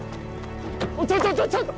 ちょちょちょちょっと！